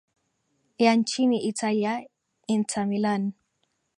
ya nchini italia inter millan